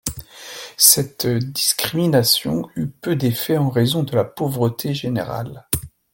Cette discrimination eut peu d’effet en raison de la pauvreté générale.